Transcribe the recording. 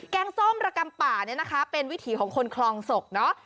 แกงส้มระกำป่าเป็นวิธีของคนคลองศกเนอะ